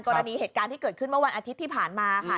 กรณีเหตุการณ์ที่เกิดขึ้นเมื่อวันอาทิตย์ที่ผ่านมาค่ะ